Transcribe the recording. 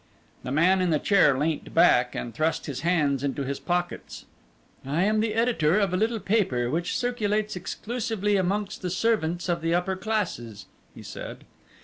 The man in the chair leant back and thrust his hands into his pockets. "I am the editor of a little paper which circulates exclusively amongst the servants of the upper classes," he said.